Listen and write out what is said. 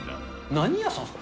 何屋さんですか？